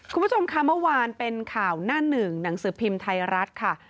คุณผู้ชมค่ะเมื่อวานเป็นข่าวหน้าหนึ่งหนังสือพิมพ์ไทยรัฐค่ะ